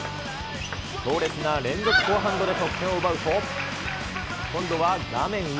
強烈な連続フォアハンドで得点を奪うと、今度は画面上。